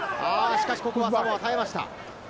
しかし、ここはサモアは耐えました。